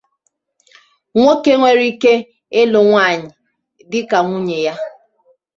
Nwoke nwere ike ilu nwanyi dika nwunye ya.